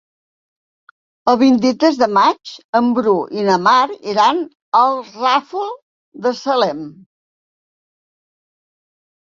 El vint-i-tres de maig en Bru i na Mar iran al Ràfol de Salem.